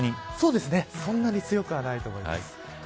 そんなに強くはないと思います。